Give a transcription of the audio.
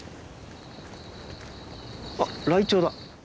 あっライチョウだ！